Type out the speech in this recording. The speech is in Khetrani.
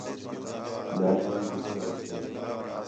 مہربانی لِکھݨ واسطے